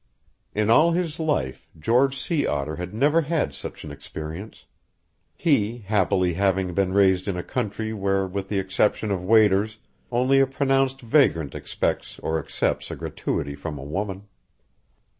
In all his life George Sea Otter had never had such an experience he, happily, having been raised in a country where, with the exception of waiters, only a pronounced vagrant expects or accepts a gratuity from a woman.